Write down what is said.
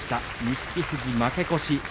錦富士、負け越し。